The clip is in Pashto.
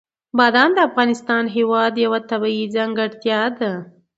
بادام د افغانستان هېواد یوه طبیعي ځانګړتیا ده.